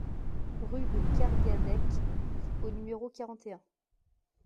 Rue de Kergadec au numéro quarante et un